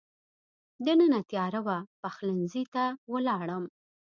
دننه تېاره وه، پخلنځي ته ولاړم.